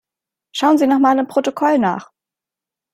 Schauen Sie noch mal im Protokoll nach.